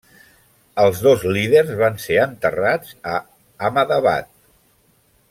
Els dos líders van ser enterrats a Ahmadabad.